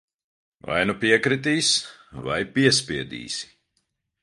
Vai nu piekritīs, vai piespiedīsi.